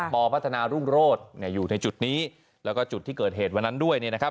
พัฒนารุ่งโรศอยู่ในจุดนี้แล้วก็จุดที่เกิดเหตุวันนั้นด้วยเนี่ยนะครับ